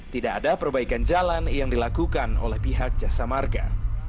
tidak ada perbaikan jalan yang dilakukan oleh pihak jasa marga